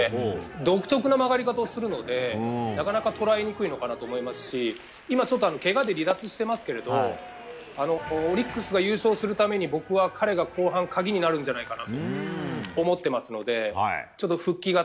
独特の曲がり方をするのでなかなか捉えにくいのかなと思いますし今、ちょっとけがで離脱していますけどもオリックスが優勝するために僕は彼が後半の鍵になるんじゃないかなと思ってますので。